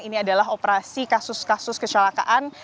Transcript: ini adalah operasi kasus kasus kecelakaan